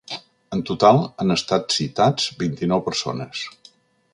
En total, han estat citats vint-i-nou persones.